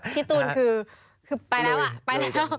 พี่ตูนคือคือไปแล้วไปแล้ว